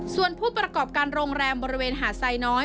ส่วนผู้ประกอบการโรงแรมบริเวณหาดไซน้อย